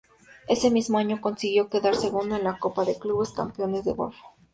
Ese mismo año consiguió quedar segundo en la Copa de Clubes Campeones del Golfo.